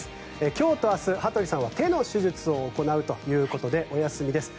今日と明日、羽鳥さんは手の手術を行うということでお休みです。